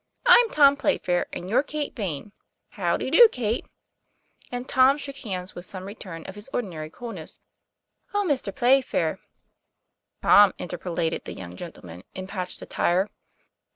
I'm Tom Playfair and you're Kate Vane. How d'e do, Kate?' And Tom shook hands with some return of his ordinary cool ness. " O Mr. Playfair " 'Tom," interpolated the young gentleman in patched attire.